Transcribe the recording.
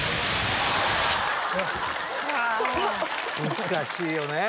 難しいよね。